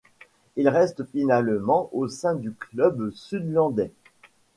Il reste finalement au sein du club sud-landais.